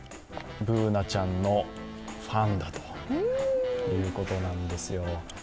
Ｂｏｏｎａちゃんのファンだということなんですよ。